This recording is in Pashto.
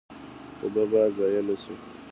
اوبه باید ضایع نشي